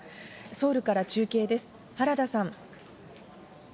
ソウルから中継です、原田さん。